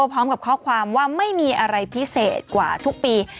พร้อมกับข้อความว่าไม่มีอะไรพิเศษกว่าทุกปี